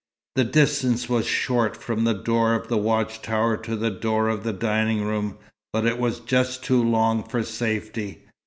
The distance was short from the door of the watch tower to the door of the dining room, but it was just too long for safety.